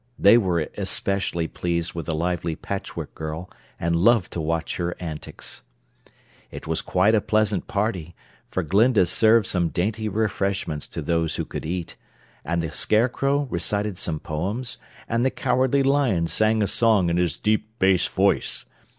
They were especially pleased with the lively Patchwork Girl and loved to watch her antics. It was quite a pleasant party, for Glinda served some dainty refreshments to those who could eat, and the Scarecrow recited some poems, and the Cowardly Lion sang a song in his deep bass voice.